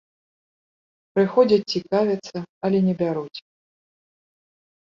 Прыходзяць цікавяцца, але не бяруць!